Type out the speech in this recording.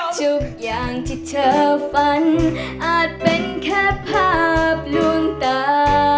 ทุกอย่างที่เธอฝันอาจเป็นแค่ภาพลวงตา